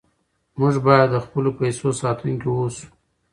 موږ باید د خپلو پیسو ساتونکي اوسو.